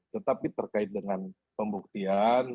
tetapi terkait dengan pembuktian